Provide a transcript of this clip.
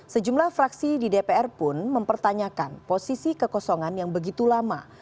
sejumlah fraksi di dpr pun mempertanyakan posisi kekosongan yang begitu lama